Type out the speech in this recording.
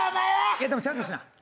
いや、でもちゃんとせな。